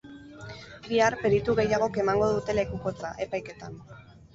Bihar, peritu gehiagok emango dute lekukotza, epaiketan.